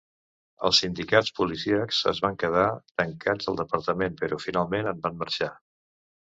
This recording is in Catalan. Els sindicats policíacs es van quedar tancats al departament, però finalment en van marxar.